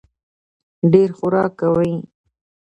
ډېر خورک کوي.